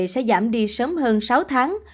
sẽ giảm đi sớm hơn sáu tháng